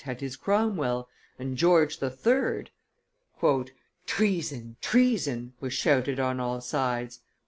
had his Cromwell, and George III. ..." "Treason! treason!" was shouted on all sides